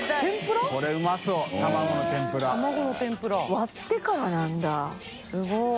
割ってからなんだすごい。